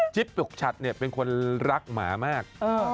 จิ๊บปกชัดเนี่ยเป็นคนรักหมามาก